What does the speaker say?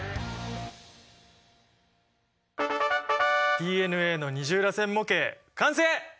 ＤＮＡの二重らせん模型完成！